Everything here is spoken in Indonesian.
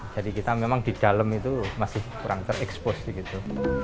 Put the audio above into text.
kita memang di dalam itu masih kurang terekspos begitu